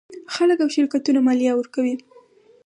خلک او شرکتونه مالیه ورکوي.